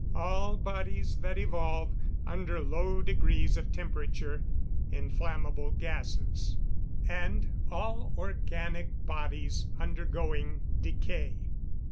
All bodies that evolve, under low degrees of temperature, inflammable gases. And all organic bodies undergoing decay.